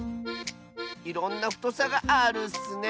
いろんなふとさがあるッスね。